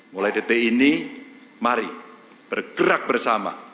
mulai detik ini mari bergerak bersama